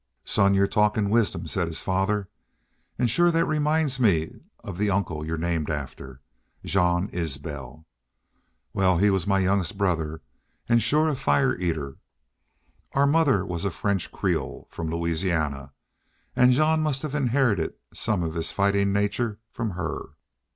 "Son, you're talkin' wisdom," said his father. "An' shore that reminds me of the uncle you're named after. Jean Isbel! ... Wal, he was my youngest brother an' shore a fire eater. Our mother was a French creole from Louisiana, an' Jean must have inherited some of his fightin' nature from her.